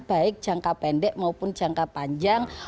baik jangka pendek maupun jangka panjang